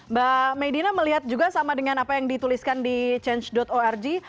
mbak medina melihat juga sama dengan apa yang dituliskan di change org